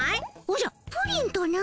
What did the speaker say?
おじゃプリンとな？